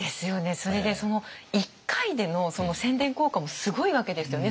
それで一回での宣伝効果もすごいわけですよね